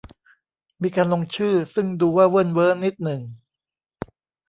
มีการลงชื่อ ซึ่งดูว่าเวิ่นเว้อนิดหนึ่ง